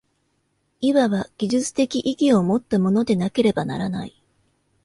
いわば技術的意義をもったものでなければならない。